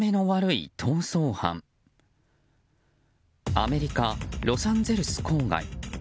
アメリカ・ロサンゼルス郊外。